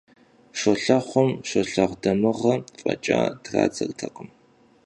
Щолэхъум «щолэхъу дамыгъэ» фӀэкӀа традзэртэкъым.